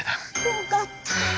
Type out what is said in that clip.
よかった！